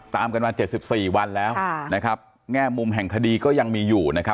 ตามกันมา๗๔วันแล้วนะครับแง่มุมแห่งคดีก็ยังมีอยู่นะครับ